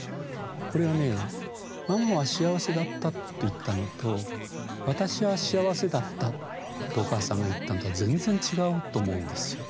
これはね「ママは幸せだった」と言ったのと「私は幸せだった」とお母さんが言ったのとは全然違うと思うんですよ。